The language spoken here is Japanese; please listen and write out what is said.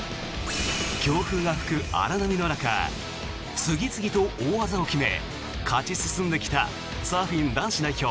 強風が吹く荒波の中次々と大技を決め勝ち進んできたサーフィン男子代表